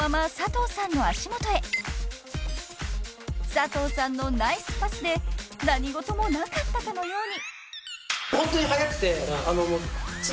［佐藤さんのナイスパスで何事もなかったかのように］